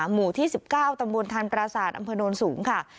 หมู่ที่๑๙ตำบลทันปราศาสตร์อำเภอโนนสูงค่ะ